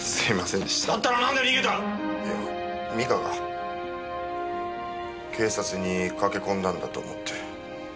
いや実花が警察に駆け込んだんだと思って。